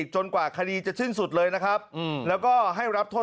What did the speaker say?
จะเดินรับ